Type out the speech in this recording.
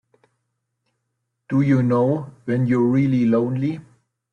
Do you know when you're really lonely?